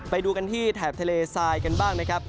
ไปดูกันที่แถบทะเลทรายกันบ้างนะครับ